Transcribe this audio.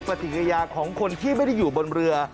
ปฏิกิริยาของคนที่ไม่ได้อยู่บนเรือ